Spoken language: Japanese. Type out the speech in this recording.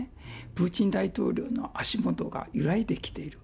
プーチン大統領の足元が揺らいできている。